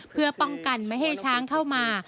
เพื่อป้องกันไม่ให้ช้างเข้ามา